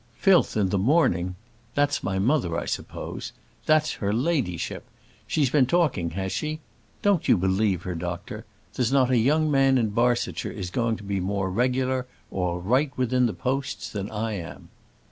"Filth in the morning! That's my mother, I suppose! That's her ladyship! She's been talking, has she? Don't you believe her, doctor. There's not a young man in Barsetshire is going more regular, all right within the posts, than I am."